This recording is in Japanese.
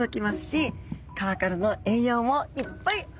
川からの栄養もいっぱい運ばれてきます。